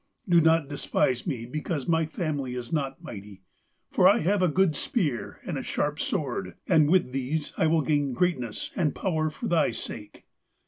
Do not despise me because my family is not mighty, for I have a good spear and a sharp sword, and with these I will gain greatness and power for thy sake.'